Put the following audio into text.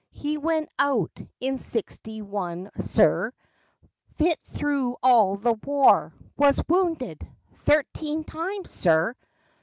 He went out in sixty one, sir; Fit through all the war; was wounded Thirteen times, sir!